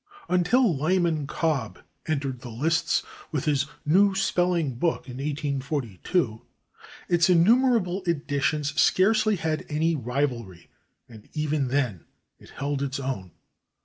Until Lyman Cobb entered the lists with his "New Spelling Book," in 1842, its innumerable editions scarcely had [Pg249] any rivalry, and even then it held its own.